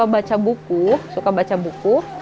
akhirnya kan aku suka baca buku